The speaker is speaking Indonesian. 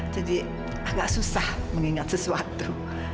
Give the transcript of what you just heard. jadi agak susah mengingat sesuatu